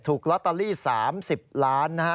ถูกลอตเตอรี่๓๐ล้านนะฮะ